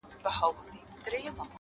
زما په زړه باندې لمبه راځي او ټکه راځي!